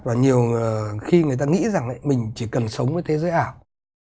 và nhiều khi người ta nghĩ rằng mình chỉ cần sống với thế giới ảo